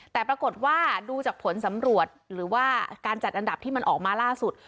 แต่ปรากฏว่าดูจากผลสำรวจหรือว่าการจัดอันดับที่มันออกมาล่าสุด